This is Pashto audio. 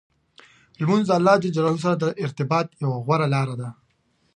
لمونځ د الله جل جلاله سره د ارتباط یوه غوره لار ده.